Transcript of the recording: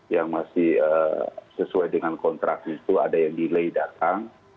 yang masih sesuai dengan kontraksi itu ada yang delay datang